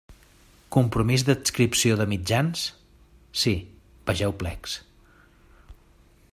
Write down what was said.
Compromís d'adscripció de mitjans: sí, vegeu plecs.